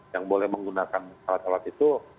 yang boleh menggunakan alat alat itu